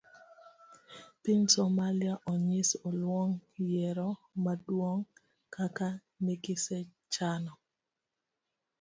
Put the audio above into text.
Piny somalia onyis oluong yiero maduong' kaka negisechano.